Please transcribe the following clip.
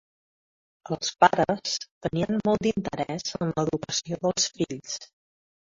Els pares tenien molt d'interès en l'educació dels fills.